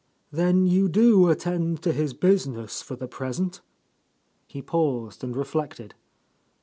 "Then you do attend to his business for the present?" He paused and reflected.